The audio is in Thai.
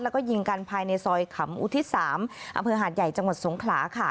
แล้วก็ยิงกันภายในซอยขำอุทิศ๓อำเภอหาดใหญ่จังหวัดสงขลาค่ะ